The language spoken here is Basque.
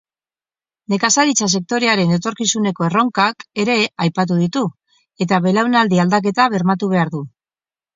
Nekazaritza-sektorearen etorkizuneko erronkak ere aipatu ditu, eta belaunaldi-aldaketa bermatu behar du.